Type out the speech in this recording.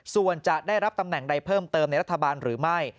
ส่วนจะได้รับตำแหน่งใดเพิ่มเติมในรัฐบาลหรือไม่